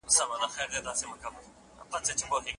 دفاع وزارت د چاپیریال ساتنې هوکړه نه ماتوي.